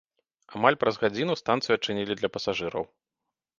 Амаль праз гадзіну станцыю адчынілі для пасажыраў.